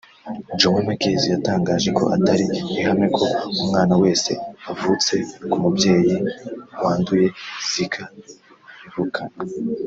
Joan Guiz yatangaje ko atari ihame ko umwana wese uvutse ku mubyeyi wanduye Zika ayivukana